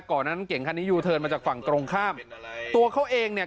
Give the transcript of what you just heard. ก่อนนั้นเก่งคันนี้ยูเทิร์นมาจากฝั่งตรงข้ามตัวเขาเองเนี่ย